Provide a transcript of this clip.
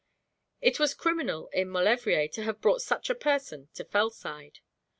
It was criminal in Maulevrier to have brought such a person to Fellside.